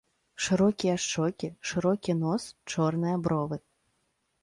Шырокія шчокі, шырокі нос, чорныя бровы.